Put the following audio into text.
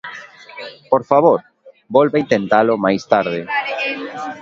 Por favor, volva intentalo máis tarde.